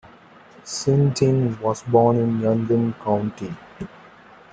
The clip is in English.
Hsin Ting was born in Yunlin County.